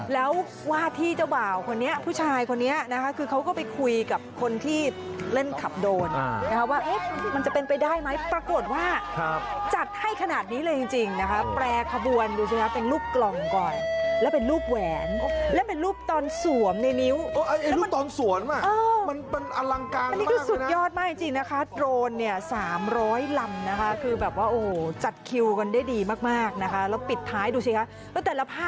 แล้วว่าที่เจ้าบ่าวคนนี้ผู้ชายคนนี้นะคะคือเขาก็ไปคุยกับคนที่เล่นขับโดรนว่ามันจะเป็นไปได้ไหมปรากฏว่าจัดให้ขนาดนี้เลยจริงนะคะแปรขบวนดูสินะคะเป็นรูปกล่องก่อนแล้วเป็นรูปแหวนแล้วเป็นรูปตอนสวมในนิ้วอันนี้คือสุดยอดมากจริงนะคะโดรน๓๐๐ลำนะคะคือแบบว่าจัดคิวกันได้ดีมากนะคะแล้วป